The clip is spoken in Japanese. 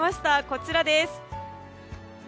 こちらです。